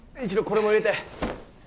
一狼これも入れて。